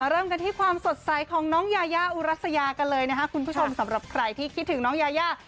เริ่มกันที่ความสดใสของน้องยายาอุรัสยากันเลยนะครับคุณผู้ชมสำหรับใครที่คิดถึงน้องยายา